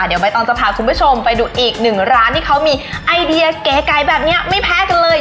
เดี๋ยวใบตองจะพาคุณผู้ชมไปดูอีกหนึ่งร้านที่เขามีไอเดียเก๋ไก่แบบนี้ไม่แพ้กันเลย